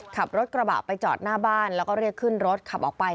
ขับรถกระบะไปจอดหน้าบ้านแล้วก็เรียกขึ้นรถขับออกไป